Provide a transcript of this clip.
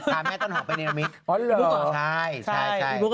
ใช่ไปเศกหน้าใหม่